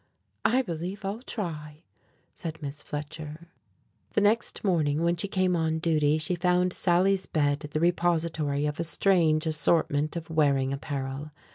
"I believe I'll try," said Miss Fletcher. The next morning, when she came on duty, she found Sally's bed the repository of a strange assortment of wearing apparel.